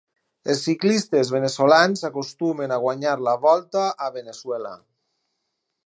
Els ciclistes veneçolans acostumen a guanyar la Volta a Veneçuela.